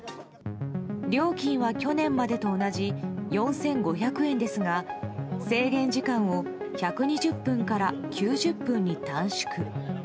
料金は去年までと同じ４５００円ですが制限時間を１２０分から９０分に短縮。